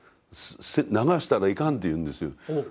流したらいかんって言うんですよ。